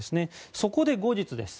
そこで後日です。